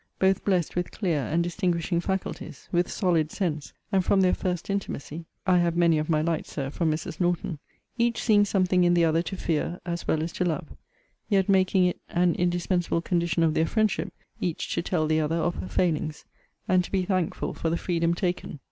Both blessed with clear and distinguishing faculties; with solid sense; and, from their first intimacy, [I have many of my lights, Sir, from Mrs. Norton,] each seeing something in the other to fear, as well as to love; yet making it an indispensable condition of their friendship, each to tell the other of her failings; and to be thankful for the freedom taken.